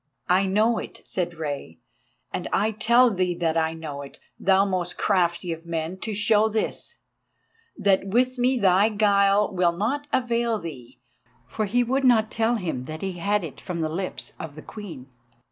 "I know it," said Rei, "and I tell thee that I know it, thou most crafty of men, to show this, that with me thy guile will not avail thee." For he would not tell him that he had it from the lips of the Queen.